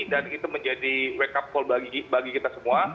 dan itu menjadi wake up call bagi kita semua